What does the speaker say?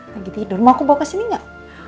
lagi tidur mau aku bawa kesini gak